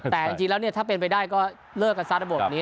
แต่จริงแล้วเนี่ยถ้าเป็นไปได้ก็เลิกกันซะระบบนี้